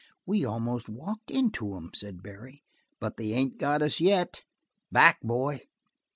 "We almost walked into 'em," said Barry, "but they ain't got us yet. Back, boy!"